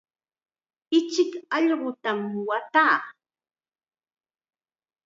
Ichik allqutam waataa.